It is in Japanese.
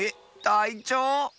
たいちょう？